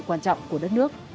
quan trọng của đất nước